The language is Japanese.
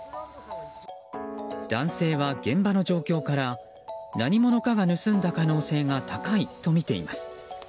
男性は現場の状況から何者かが盗んだ可能性が高いとみています。